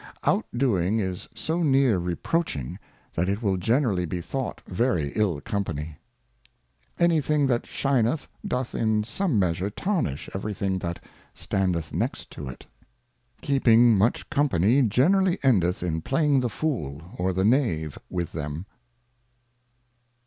Out^doing is so near reproaching, that it will generally be thought very ill Company. Any thing that shineth doth in some measure tarnish every thing that standeth next to it. Keeping much Company generally endeth in playing the Fool or the Knave with them.